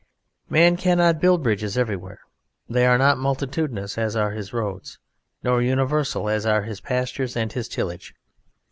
Man cannot build bridges everywhere. They are not multitudinous as are his roads, nor universal as are his pastures and his tillage.